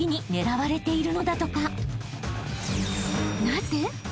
［なぜ？